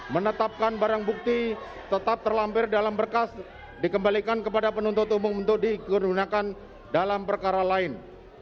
menetapkan barang bukti tetap terlampir dalam berkas dikembalikan kepada penuntut umum untuk digunakan dalam perkara lain